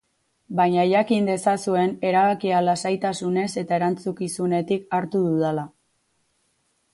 Baina, jakin dezazuen erabakia lasaitasunez eta erantzukizunetik hartu dudala.